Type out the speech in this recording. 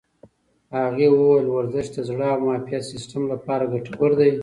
هغې وویل ورزش د زړه او معافیت سیستم لپاره ګټور دی.